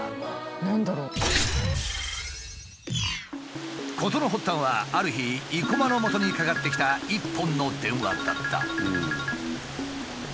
何だろう？事の発端はある日生駒のもとにかかってきた一本の電話だった。